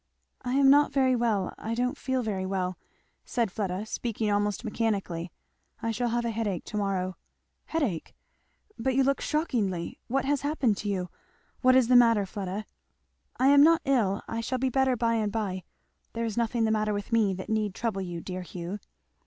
"I am not very well I don't feel very well," said Fleda speaking almost mechanically, "I shall have a headache to morrow " "Headache! But you look shockingly! what has happened to you? what is the matter, Fleda?" "I am not ill I shall be better by and by. There is nothing the matter with me that need trouble you, dear Hugh."